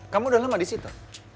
kamu udah lama di situ